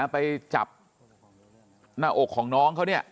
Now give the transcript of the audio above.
ไปจับหน้าอกของน้องเขาเนี่ย